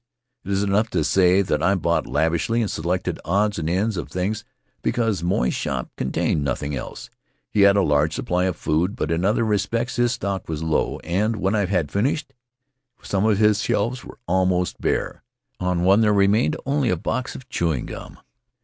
It is enough to say that I bought lavishly, and selected odds and ends of things because Moy's shop contained nothing else. He had a large supply of food, but in other respects his stock was low, and when I had finished, some of his shelves were almost bare. On one there remained only a box of chewing gum.